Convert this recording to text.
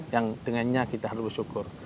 yang dengannya kita harus bersyukur